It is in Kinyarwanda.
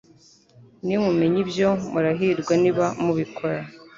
Nimumenya ibyo, murahirwa niba mubikora.»